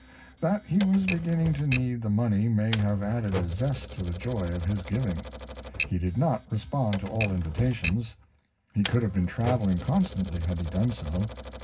That he was beginning to need the money may have added a zest to the joy of his giving. He did not respond to all invitations; he could have been traveling constantly had he done so.